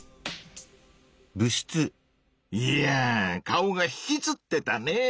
いやぁ顔がひきつってたねぇ！